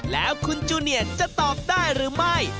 แล้วคุณจูเนียร์จะตอบได้หรือไม่